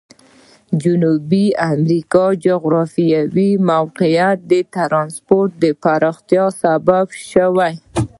جنوبي امریکا جغرافیوي موقعیت د ترانسپورت پراختیا سبب شوی.